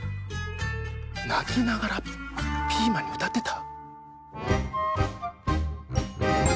なきながらピーマンにうたってた？